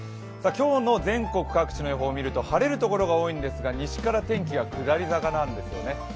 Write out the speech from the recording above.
今日の全国各地の予報を見ると晴れるところが多いんですが西から天気が下り坂なんですね。